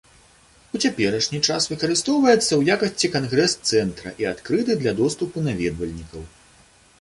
У цяперашні час выкарыстоўваецца ў якасці кангрэс-цэнтра і адкрыты для доступу наведвальнікаў.